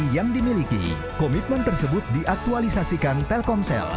dan memiliki komitmen tersebut diaktualisasikan telkomsel